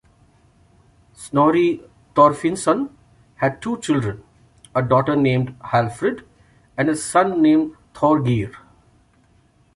Snorri Thorfinnsson had two children; a daughter named Hallfrid, and a son named Thorgeir.